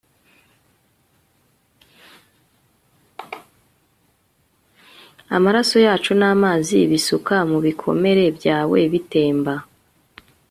amaraso yacu namazi bisuka mubikomere byawe bitemba